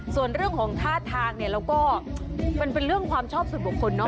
ส่วนเรื่องของท่าทางเนี่ยเราก็มันเป็นเรื่องความชอบส่วนบุคคลเนอ